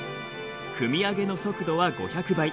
組み上げの速度は５００倍。